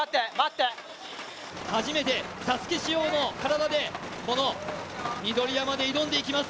初めてＳＡＳＵＫＥ仕様の体でこの緑山で挑んでいきます。